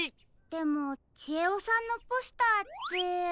でもちえおさんのポスターって。